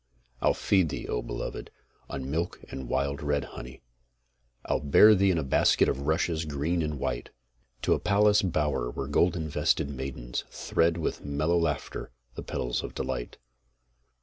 I'll feed thee, O beloved, on milk and wild red honey, I'll bear thee in a basket of rushes, green and white, To a palace bower where golden vested maidens Thread with mellow laughter the petals of delight.